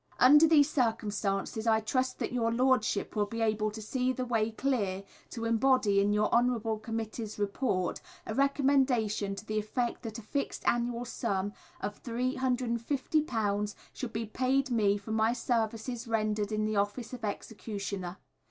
Under these circumstances I trust that your Lordship will be able to see the way clear to embody in your Honourable Committee's report a recommendation to the effect that a fixed annual sum of £350 should be paid me for my services rendered in the Office of Executioner.